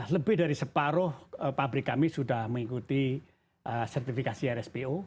lebih dari separuh pabrik kami sudah mengikuti sertifikasi rspo